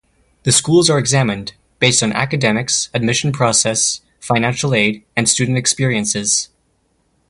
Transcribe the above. The schools are examined based on academics, admissions process, financial aid, and student experiences.